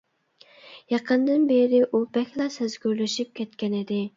يېقىندىن بېرى ئۇ بەكلا سەزگۈرلىشىپ كەتكەنىدى.